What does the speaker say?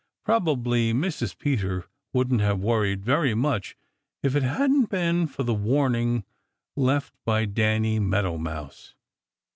Probably Mrs. Peter wouldn't have worried very much if it hadn't been for the warning left by Danny Meadow Mouse.